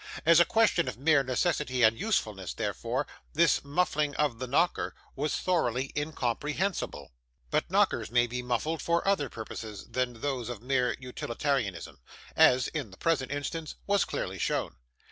As a question of mere necessity and usefulness, therefore, this muffling of the knocker was thoroughly incomprehensible. But knockers may be muffled for other purposes than those of mere utilitarianism, as, in the present instance, was clearly shown.